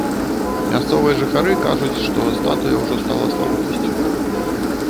Мясцовыя жыхары кажуць, што статуя ўжо стала славутасцю.